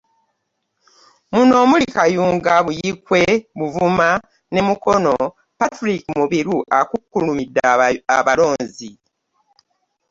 Muno omuli; Kayunga, Buikwe, Buvuma ne Mukono, Patric Mubiru akukkulumidde abalonzi